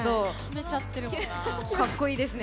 かっこいいですね。